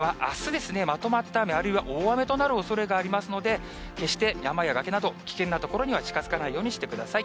能登半島周辺はあすですね、まとまった雨、あるいは大雨となるおそれがありますので、決して山や崖など、危険な所には近づかないようにしてください。